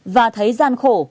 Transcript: và thấy gian khổ